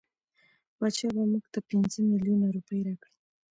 بادشاه به مونږ ته پنځه میلیونه روپۍ راکړي.